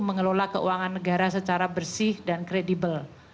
mengelola keuangan negara secara bersih dan kredibel